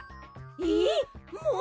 ええっもう？